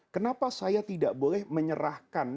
kenapa saya tidak boleh menyerahkan